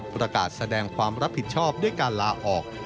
ประกาศแสดงความรับผิดชอบด้วยการลาออก